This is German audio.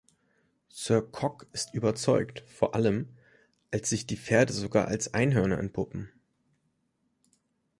Sir Cocq ist überzeugt, vor allem, als sich die Pferde sogar als Einhörner entpuppen.